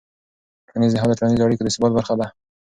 ټولنیز نهاد د ټولنیزو اړیکو د ثبات برخه ده.